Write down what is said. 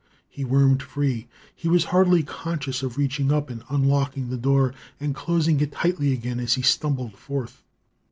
He wormed free. He was hardly conscious of reaching up and unlocking the door, and closing it tightly again as he stumbled forth.